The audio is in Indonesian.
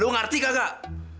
lu ngerti gak gak